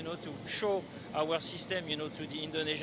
untuk menunjukkan sistem kita kepada pasangan indonesia